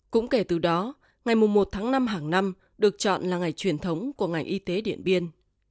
cũng kể từ đó ngày một tháng năm hàng năm được chọn là ngày truyền thống của ngành y tế điện biên